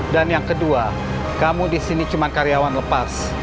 dan yang kedua kamu disini cuma karyawan lepas